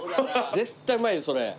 絶対うまいよそれ。